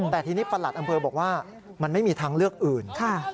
แต่ทีนี้ประหลัดอำเภอบอกว่ามันไม่มีทางเลือกอื่น